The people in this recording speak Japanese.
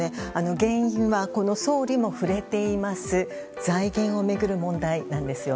原因は、総理も触れています財源を巡る問題なんです。